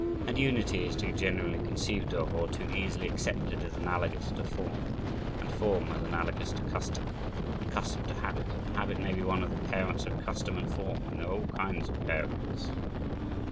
And unity is too generally conceived of, or too easily accepted as analogous to form, and form (as analogous) to custom, and custom to habit, and habit may be one of the parents of custom and form, and there are all kinds of parents.